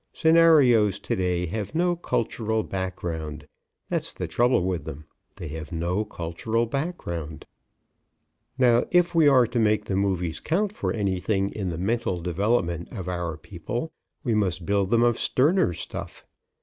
Scenarios to day have no cultural background. That's the trouble with them. They have no cultural background. Now, if we are to make the movies count for anything in the mental development of our people, we must build them of sterner stuff.